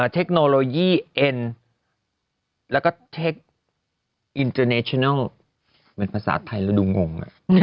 เทคโนโลยีเอ็นแล้วก็เทคอินเตอร์เนชินัลเป็นภาษาไทยเราดูงง